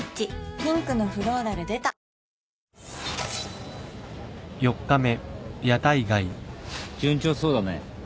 ピンクのフローラル出た順調そうだね。